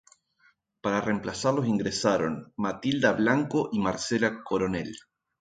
Para reemplazarlos ingresaron Matilda Blanco y Marcela Coronel.